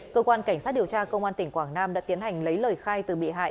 cơ quan cảnh sát điều tra công an tỉnh quảng nam đã tiến hành lấy lời khai từ bị hại